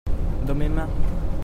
dans mes mains.